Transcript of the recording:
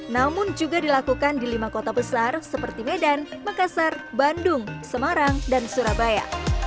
namun juga dilakukan di lima kota besar seperti medan makassar bandung semarang dan surabaya